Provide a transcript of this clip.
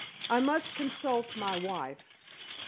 "I must consult my wife.